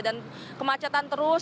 dan kemacetan terus